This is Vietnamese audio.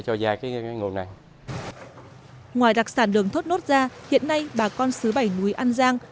cho giai cái nguồn này ngoài đặc sản đường thốt nốt gia hiện nay bà con sứ bảy núi an giang